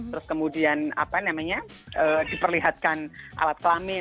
terus kemudian apa namanya diperlihatkan alat kelamin